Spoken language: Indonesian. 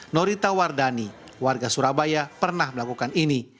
norita wardani warga surabaya pernah melakukan ini